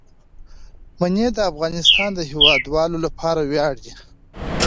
منی د افغانستان د هیوادوالو لپاره ویاړ دی.